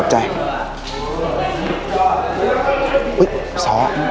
เฮ้ยส